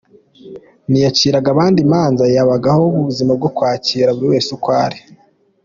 Ntiyaciraga abandi imanza, yabagaho ubuzima bwo kwakira buri wese uko ari.